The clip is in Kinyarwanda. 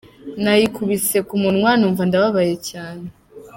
Nayikubise ku munwa numva ndababaye cyane.